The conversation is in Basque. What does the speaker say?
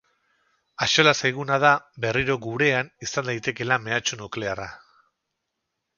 Axola zaiguna da berriro gurean izan daitekeela mehatxu nuklearra.